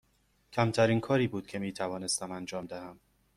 کمترین کاری بود که می توانستم انجام دهم.